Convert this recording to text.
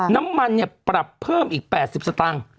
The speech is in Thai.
น้ำมันปรับเพิ่มอีก๘๐สตางค์